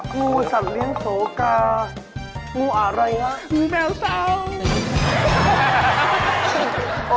งูสัตว์เลี้ยงโสกางูสัตว์เลี้ยงโสกางูอะไรครับงูแมวเศร้า